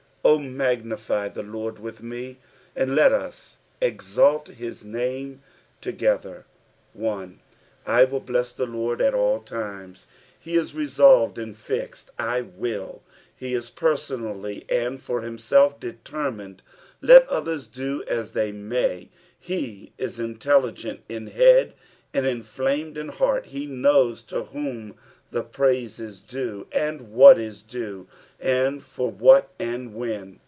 3 O magnify the Lord with me, and let us exalt his name together. 1, "/will UsM ihe lard ataU timet." — He is reaolved and Sxed, "IwHl;" lie ia peraonall; wad for himself determined, let othera do as thej may; he ia intelligent in head and inflamed in heart 'he knowa to whom the praise is due. Mid what is due, and for what and when.